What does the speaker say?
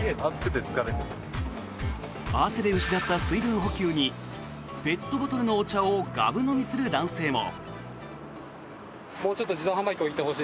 汗で失った水分補給にペットボトルのお茶をがぶ飲みする男性も。